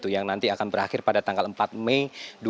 yang nanti akan berakhir pada tanggal empat mei dua ribu dua puluh